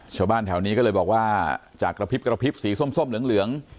ชาวบ้านแถวนี้ก็เลยบอกว่าจากกระพริบกระพริบสีส้มเหลือง